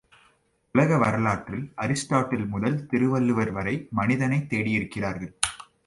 உலக வரலாற்றில் அரிஸ்டாட்டில் முதல் திருவள்ளுவர் வரை மனிதனைத் தேடியிருக்கிறார்கள்.